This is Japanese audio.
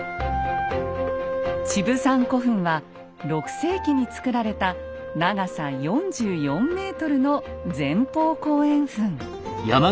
「チブサン古墳」は６世紀に造られた長さ４４ｍの前方後円墳。